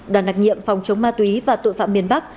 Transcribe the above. đoàn đặc nhiệm phòng chống ma túy và tội phạm miền bắc